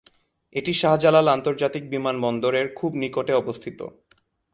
এটি শাহজালাল আন্তর্জাতিক বিমানবন্দর এর খুব নিকটে অবস্থিত।